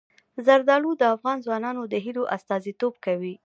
زردالو د افغان ځوانانو د هیلو استازیتوب کوي.